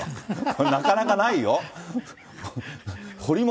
これ、なかなかないよ。